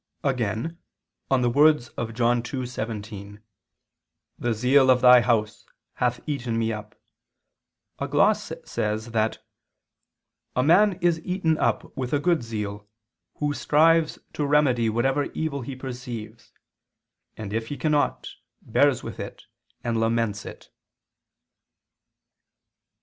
Again on the words of John 2:17: "The zeal of Thy house hath eaten me up," a gloss says that "a man is eaten up with a good zeal, who strives to remedy whatever evil he perceives; and if he cannot, bears with it and laments it."